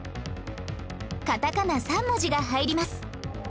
カタカナ３文字が入ります